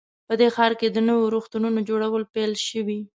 په دې ښار کې د نویو روغتونونو جوړول پیل شوي